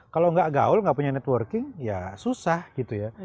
kalau nggak gaul gak punya networking ya susah gitu ya